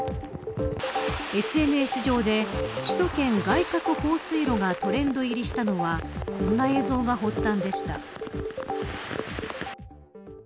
ＳＮＳ上で首都圏外郭放水路がトレンド入りしたのはこんな映像が発端でした。